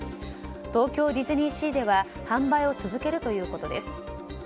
東京ディズニーシーでは販売を続けるということです。